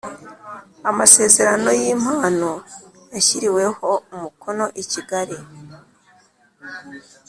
Amasezerano y Impano yashyiriweho umukono i Kigali